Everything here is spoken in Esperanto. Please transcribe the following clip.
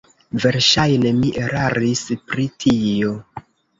Verŝajne mi eraris pri tio.